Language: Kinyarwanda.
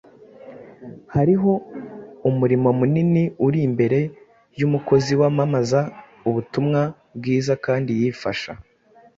Hariho umurimo munini uri imbere y’umukozi wamamaza ubutumwa bwiza kandi yifasha